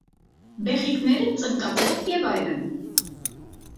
Բեղիկները ծնկաձև և այլն։